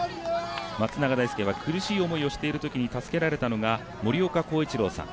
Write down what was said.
松永大介は苦しい思いをしているときに助けられたのが森岡紘一朗さん